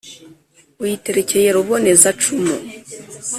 uyiterekeye ruboneza-cumu